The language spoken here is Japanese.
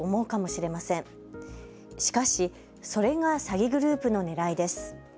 しかし、それが詐欺グループのねらいです。